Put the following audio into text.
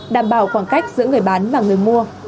khoảng cách giữa người bán và người mua